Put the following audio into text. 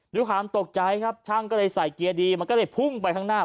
ด้วยความตกใจครับช่างก็เลยใส่เกียร์ดีมันก็เลยพุ่งไปข้างหน้า